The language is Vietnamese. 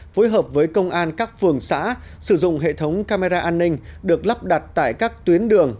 phối hợp với công an các phường xã sử dụng hệ thống camera an ninh được lắp đặt tại các tuyến đường